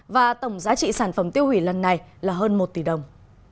và tổng giá trị sản phẩm tiêu hủy lần này là hơn một tỷ đồng